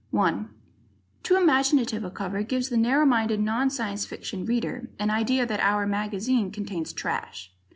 1 Too imaginative a cover gives the narrow minded non Science Fiction reader an idea that "our" mag contains trash.